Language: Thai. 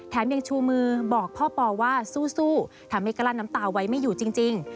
ยังชูมือบอกพ่อปอว่าสู้ทำให้กลั้นน้ำตาไว้ไม่อยู่จริง